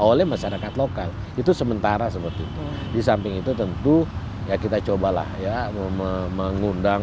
oleh masyarakat lokal itu sementara seperti itu di samping itu tentu ya kita cobalah ya mengundang